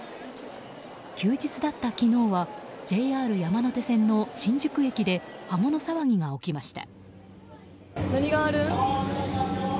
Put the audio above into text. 休日だった昨日はＪＲ山手線の新宿駅で刃物騒ぎが起きました。